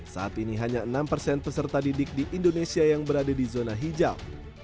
saat ini hanya enam persen peserta didik di indonesia yang berada di zona hijau